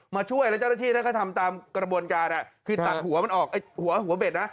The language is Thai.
ช่วยแล้วเจ้าหน้าที่ก็ทำตามกระบวนการคือตัดหัวมันออกไอ้หัวหัวเบ็ดนะ